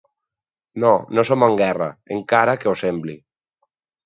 No, no som en guerra, encara que ho sembli!